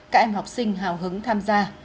các em học sinh hào hứng tham gia